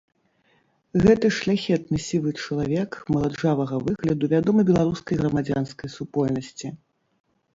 Гэты шляхетны сівы чалавек маладжавага выгляду вядомы беларускай грамадзянскай супольнасці.